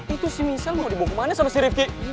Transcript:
itu si misa lo mau diboku manis sama si rifki